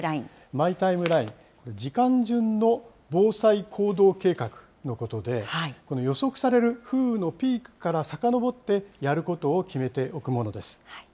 これ、時間順の防災行動計画のことで、この予測される風雨のピークからさかのぼってやることを決めておくものです。